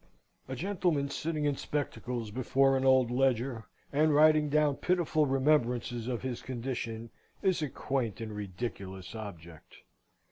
A gentleman sitting in spectacles before an old ledger, and writing down pitiful remembrances of his own condition, is a quaint and ridiculous object.